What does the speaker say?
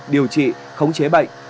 điều trị khống chế bệnh